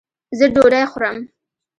ځه ډوډي خورم